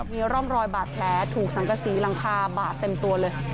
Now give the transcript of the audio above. มีร่องรอยบาดแผลถูกสังกษีหลังคาบาดเต็มตัวเลย